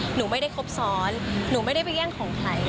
หนูไม่ได้ครบซ้อนหนูไม่ได้ไปแย่งของใคร